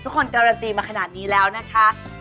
การันตีมาขนาดนี้แล้วนะคะ